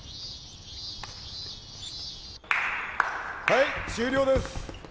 はい終了です。